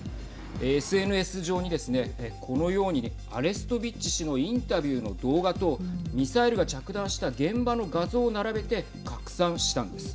ＳＮＳ上にですね、このようにアレストビッチ氏のインタビューの動画とミサイルが着弾した現場の画像を並べて拡散したんです。